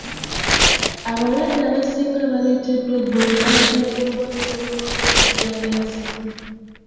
Abalwadde abasinga abaaleeteddwa eggulo baabadde n'obubonero bw'omusujja gw'ensiri.